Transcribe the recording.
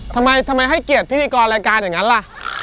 ทำไมให้เกียรติพิพิกรรายการแหละ